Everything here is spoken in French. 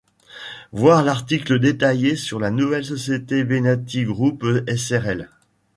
Voir article Détaillé sur la nouvelle société Benati Group Srl.